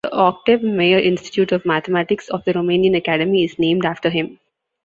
The Octav Mayer Institute of Mathematics of the Romanian Academy is named after him.